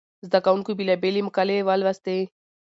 زده کوونکو بېلابېلې مقالې ولوستې.